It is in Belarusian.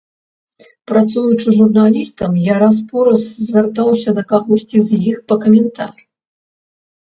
Працуючы журналістам, я раз-пораз звяртаўся да кагосьці з іх па каментар.